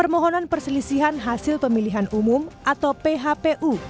permohonan perselisihan hasil pemilihan umum atau phpu